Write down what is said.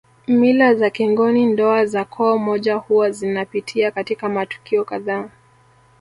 Mila za kingoni ndoa za koo moja huwa zinapitia katika matukio kadhaa